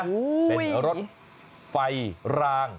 เป็นรถไฟราง